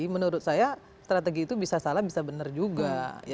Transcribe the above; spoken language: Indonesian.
menurut saya strategi itu bisa salah bisa benar juga